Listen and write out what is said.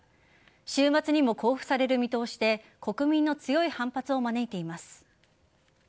週末にも公布される見通しで国民の強い反発を招いています。